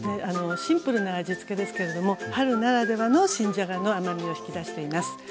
シンプルな味付けですけれども春ならではの新じゃがの甘みを引き出しています。